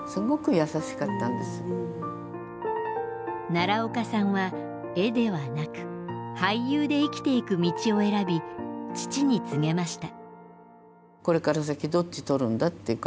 奈良岡さんは絵ではなく俳優で生きていく道を選び父に告げました。